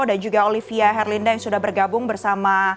dan juga olivia herlinda yang sudah bergabung bersama